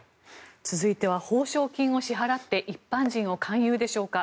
続いては報奨金を支払って一般人を勧誘でしょうか。